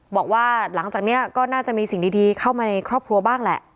บอกว่าหลังจากนี้ก็น่าจะมีสิ่งดีเข้ามาในครอบครัวบ้างแหละ